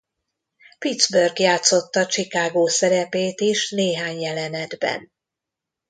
Pittsburgh játszotta Chicago szerepét is néhány jelenetben.